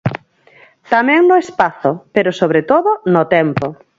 Tamén no espazo, pero sobre todo no tempo.